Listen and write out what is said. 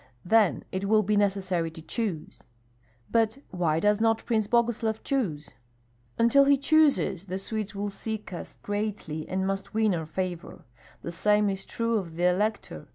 Then it will be necessary to choose." "But why does not Prince Boguslav choose?" "Until he chooses, the Swedes will seek us greatly and must win our favor; the same is true of the elector.